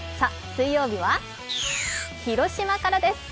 水曜日は広島からです。